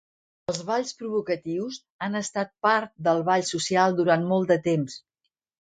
Els balls provocatius han estat part del ball social durant molt de temps.